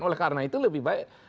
oleh karena itu lebih baik